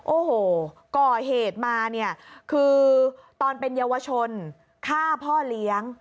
โอ้โหก่อเหตุมาเนี่ยคือตอนเป็นเยาวชนฆ่าพ่อเลี้ยง